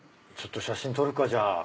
ちょっと写真撮るかじゃあ。